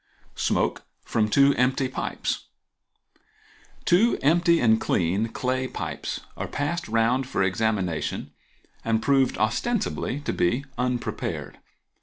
Smoke from Two Empty Pipes.—Two empty and clean clay pipes are passed round for examination and proved ostensibly to be unprepared.